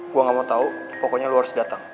gue gak mau tau pokoknya lo harus dateng